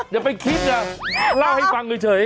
อย่าไปคิดนะเล่าให้ฟังเฉย